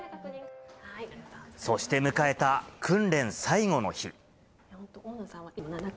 そして迎えた訓練最後の日。